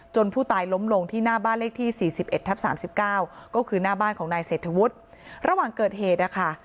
ผู้ตายล้มลงที่หน้าบ้านเลขที่๔๑ทับ๓๙ก็คือหน้าบ้านของนายเศรษฐวุฒิระหว่างเกิดเหตุนะคะ